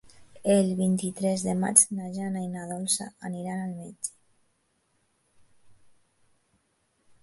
El vint-i-tres de maig na Jana i na Dolça aniran al metge.